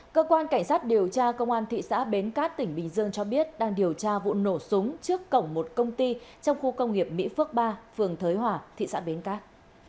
cơ quan cảnh sát điều tra công an thị xã bến cát tỉnh bình dương cho biết đang điều tra vụ nổ súng trước cổng một công ty trong khu công nghiệp mỹ phước ba phường thới hòa thị xã bến cát